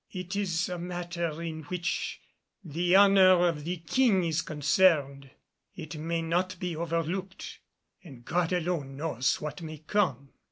"It is a matter in which the honor of the King is concerned. It may not be overlooked, and God alone knows what may come.